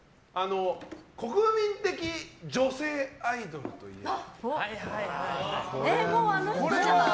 国民的女性アイドルといえば？